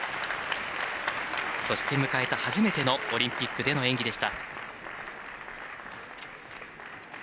そして迎えた初めてのオリンピックでの演技。